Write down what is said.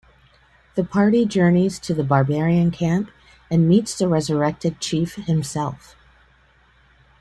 The party journeys to the barbarian camp and meets the resurrected chief himself.